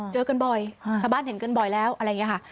เจอกันบ่อยชาวบ้านเห็นกันบ่อยแล้วอะไรอย่างนี้ค่ะ